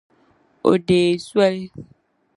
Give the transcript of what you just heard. O deei soli.